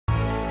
aneh ya allah